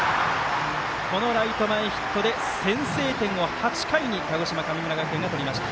ライト前ヒットで先制点を８回に鹿児島の神村学園が取りました。